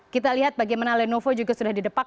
kita lihat bagaimana lenovo juga sudah didepak